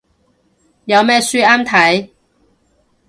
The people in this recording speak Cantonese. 有咩書啱睇